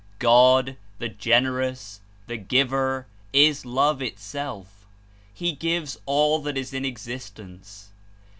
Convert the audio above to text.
God, the Generous, the Giver, is Love itself. He gives all that is in existence.